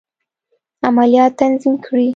عملیات تنظیم کړي.